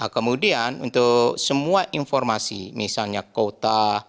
kemudian untuk semua informasi misalnya kota